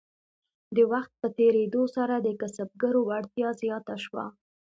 د وخت په تیریدو سره د کسبګرو وړتیا زیاته شوه.